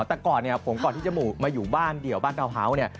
แต่ก่อนเนี่ยผมก่อนที่จะมาอยู่บ้านเดี่ยวบ้านทาวน์เฮาส์เนี่ย